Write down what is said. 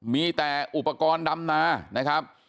มีแต่อุปกรณ์ดำนานะครับ